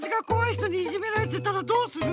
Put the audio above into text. ひとにいじめられてたらどうする？